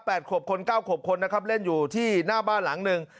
ขวบคนเก้าขวบคนนะครับเล่นอยู่ที่หน้าบ้านหลังหนึ่ง